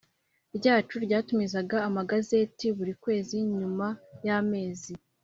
ryacu ryatumizaga amagazeti buri kwezi Nyuma y amezi